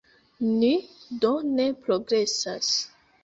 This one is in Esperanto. Ni do ne progresas.